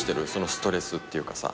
ストレスっていうかさ。